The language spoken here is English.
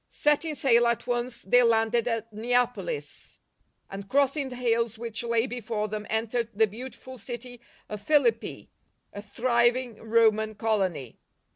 '! Setting sail at once thej? landed at Neapolis, C and, crossing the hills which lay before them, entered the beautiful city of Philippi, a thriv '/ ing Roman colony.